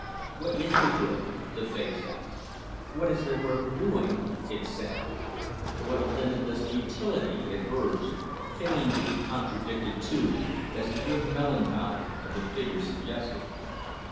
What is the good! the face asked. What is there worth doing? it said. What a limitless futility! it urged, fain to be contradicted too, as the grim melancholy of the figure suggested.